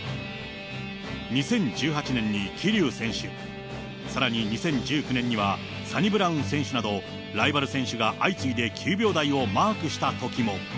２０１８年に桐生選手、さらに２０１９年にはサニブラウン選手など、ライバル選手が相次いで９秒台をマークしたときも。